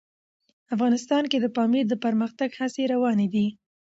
افغانستان کې د پامیر د پرمختګ هڅې روانې دي.